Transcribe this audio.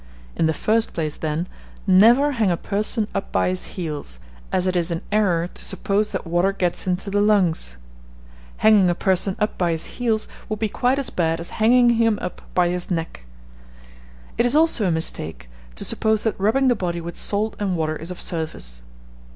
In the first place, then, never hang a person up by his heels, as it is an error to suppose that water gets into the lungs. Hanging a person up by his heels would be quite as bad as hanging him up by his neck. It is also a mistake to suppose that rubbing the body with salt and water is of service.